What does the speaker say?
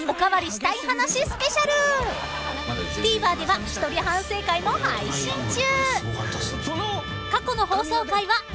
［ＴＶｅｒでは一人反省会も配信中］